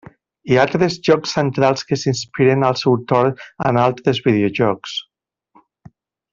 Hi ha tres jocs centrals que s'inspiren al seu torn en altres videojocs.